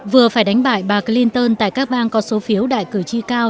vừa phải đánh bại bà clinton tại các bang có số phiếu đại cử tri cao